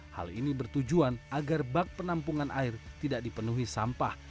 hal ini bertujuan agar bak penampungan air tidak dipenuhi sampah